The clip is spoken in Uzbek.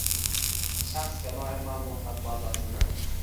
Shaxsga doir ma’lumotlar bazasini